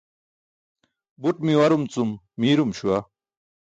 Buṭ miwarum cum miirum śuwa.